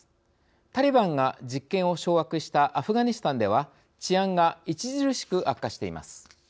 タリバンが実権を掌握したアフガニスタンでは治安が著しく悪化しています。